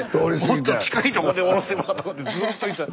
もっと近いとこで降ろせばとかってずっと言ってた。